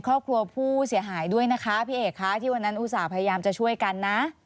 ครอบครัวผู้เสียหายด้วยนะคะพี่เอกคะที่วันนั้นอุตส่าห์พยายามจะช่วยกันนะ